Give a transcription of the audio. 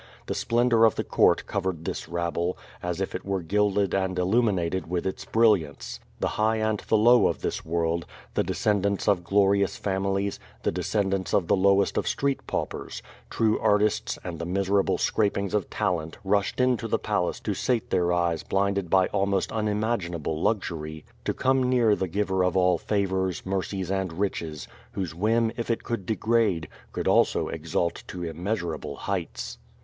The splendor of the court covered this rabble, as if it were gilded and illu minated with its brilliance. The high and the low of this world, the descendants of glorious families, the descendants of the lowest of street paupers, true artists and the miserable scrapings of talent rushed into the palace to sate their eyes blinded by almost unimaginable luxury, to come near the giver of all favors, mercies and riches, whose whim if it could degrade, could also exhalt to immeasurable heights.